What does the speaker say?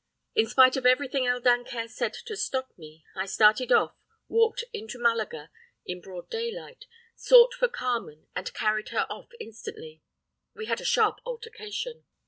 In spite of everything El Dancaire said to stop me, I started off, walked into Malaga in broad daylight, sought for Carmen and carried her off instantly. We had a sharp altercation.